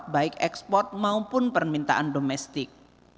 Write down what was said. baik ekspor maupun permintaan domestik